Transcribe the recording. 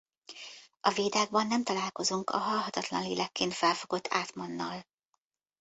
A Védákban nem találkozunk a halhatatlan lélekként felfogott átmannal.